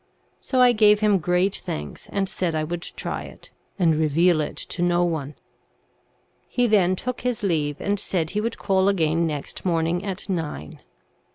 So I gave him great thanks, and said I would try it, and reveal it to no one. He then took his leave, and said he would call again next morning at nine.